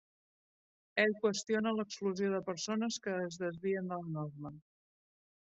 Ell qüestiona l'exclusió de persones que es desvien de la norma.